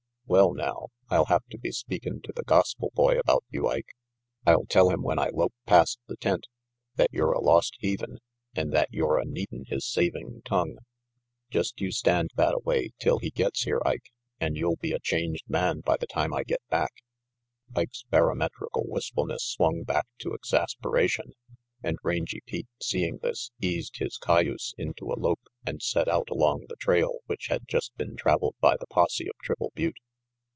Well now, I'll have to be speakin' to the gospel boy about you, Ike. I'll tell him when I lope past the tent that you're a lost heathen and that you're a needin' his saving tongue. Just you stand thattaway RANGY PETE 61 till he gets here, Ike, an' you'll be a changed man by the time I get back." Ike's barometrical wistfulness swung back to exasperation, and Rangy Pete, seeing this, eased his cayuse into a lope and set out along the trail which had just been traveled by the posse of Triple Butte.